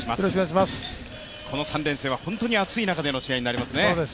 この３連戦は本当に暑い中での試合になりますね。